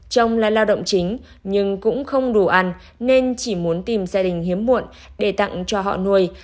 chồng là lao động chính nhưng cũng không đủ ăn nên chỉ muốn tìm gia đình hiếm muộn để tặng cho họ nuôi